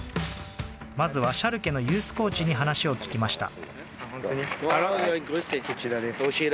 まずはシャルケのユースコーチに話を聞きました。